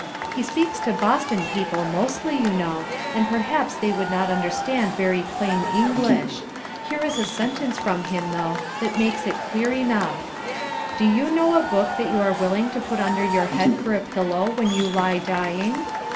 He speaks to Boston people mostly, you know, and perhaps they would not understand very plain English. Here is a sentence from him, though, that is clear enough: 'Do you know a book that you are willing to put under your head for a pillow when you lie dying?